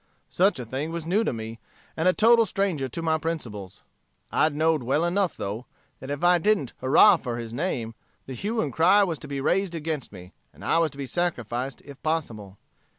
Such a thing was new to me, and a total stranger to my principles. I know'd well enough, though, that if I didn't 'hurrah' for his name, the hue and cry was to be raised against me, and I was to be sacrificed, if possible.